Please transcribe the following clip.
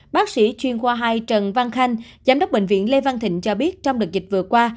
bác sĩ chuyên khoa hai trần văn khanh giám đốc bệnh viện lê văn thịnh cho biết trong đợt dịch vừa qua